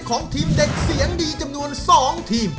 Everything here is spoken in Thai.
ของทีมเด็กเสียงดีจำนวน๒ทีม